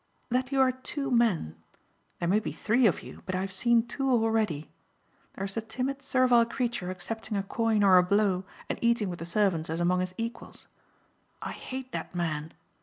"That you are two men. There may be three of you but I have seen two already. There is the timid, servile creature accepting a coin or a blow and eating with the servants as among his equals. I hate that man.